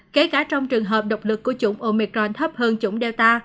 kể cả trong trường hợp độc lực của chủng omicron thấp hơn chủng delta